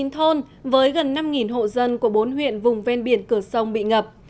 hai mươi chín thôn với gần năm hộ dân của bốn huyện vùng ven biển cửa sông bị ngập